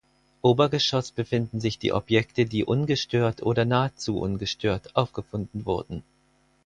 Obergeschoss befinden sich die Objekte, die ungestört oder nahezu ungestört aufgefunden wurden.